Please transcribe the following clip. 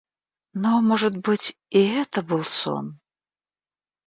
Но, может быть, и это был сон?